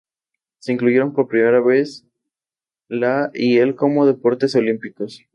Se incluyeron por primera vez la y el como deportes olímpicos.